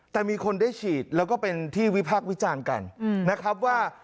แต่มีคนได้ฉีดแล้วก็เป็นที่วิพากษ์วิจารณ์กันนะครับว่า